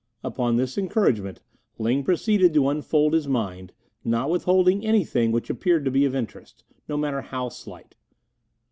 Upon this encouragement, Ling proceeded to unfold his mind, not withholding anything which appeared to be of interest, no matter how slight.